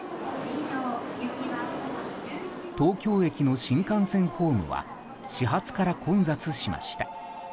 東京駅の新幹線ホームは始発から混雑しました。